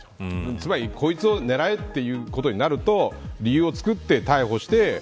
つまり、こいつを狙えということになると理由を作って逮捕して。